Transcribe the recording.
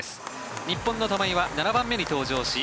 日本の玉井は７番目に登場し